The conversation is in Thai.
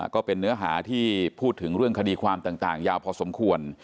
ก็เป็นเนื้อหาที่พูดถึงเรื่องคดีความต่างยาวพอสมควร